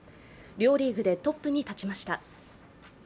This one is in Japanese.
両リーグでトップに立ちました。